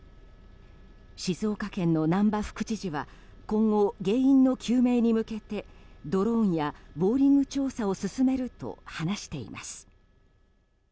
静岡県の難波副知事は今後、原因の究明に向けてドローンやボーリング調査を進めると話しています。